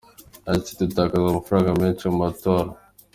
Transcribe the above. Yagize ati “Dutakaza amafaranga menshi mu matora.